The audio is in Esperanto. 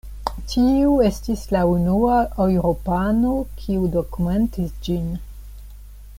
Tiu estis la unua eŭropano kiu dokumentis ĝin.